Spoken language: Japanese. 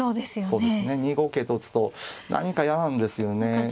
そうですね２五桂と打つと何か嫌なんですよね。